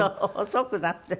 細くなって。